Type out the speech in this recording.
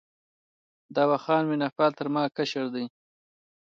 دوا خان مینه پال تر ما کشر دی.